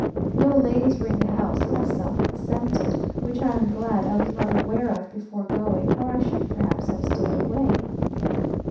No ladies were in the house, myself excepted; which I am glad I was not aware of before going, or I should perhaps have stayed away.